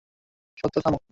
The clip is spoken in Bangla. সত্য, থামো!